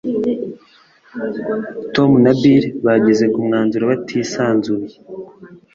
tom na bill bageze ku mwanzuro batisanzuye